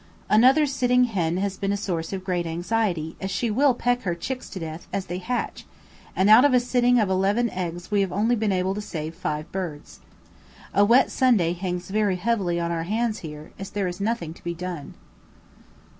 Another sitting hen has been a source of great anxiety, as she will peck her chicks to death as they hatch, and out of a sitting of eleven eggs we have only been able to save five birds. A wet Sunday hangs very heavily on our hands here, as there is nothing to be done.